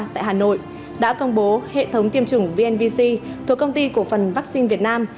tại hà nội đã công bố hệ thống tiêm chủng vnvc thuộc công ty cổ phần vaccine việt nam